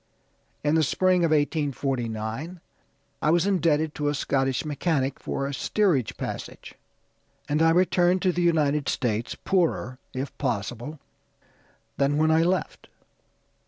In the spring of 1849 I was indebted to a Scottish mechanic for a steerage passage, and I returned to the United States, poorer, if possible, than when I left.